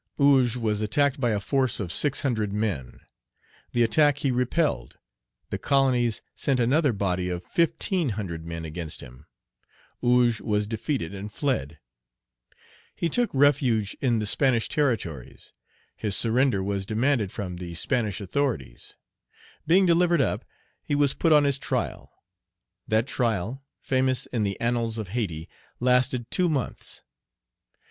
Ogé was attacked by a force of six hundred men. The attack he repelled. The colonies sent another body of fifteen hundred men against him. Ogé was defeated and fled. He took refuge in the Spanish territories. His surrender was demanded from the Spanish authorities. Being delivered up, he was put on his trial. That trial, famous in the annals of Hayti, lasted two months.